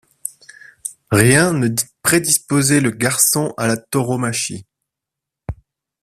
Rien ne prédisposait le garçon à la tauromachie.